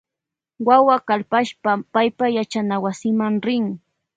Wawak kalpashpa paypa yachanawasima rin.